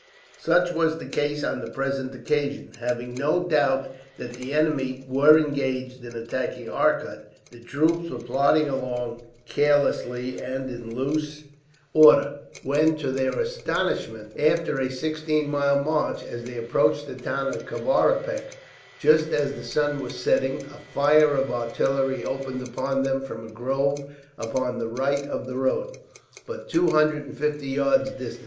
Such was the case on the present occasion. Having no doubt that the enemy were engaged in attacking Arcot, the troops were plodding along carelessly and in loose order; when, to their astonishment, after a sixteen mile march, as they approached the town of Kavaripak just as the sun was setting, a fire of artillery opened upon them from a grove upon the right of the road, but two hundred and fifty yards distant.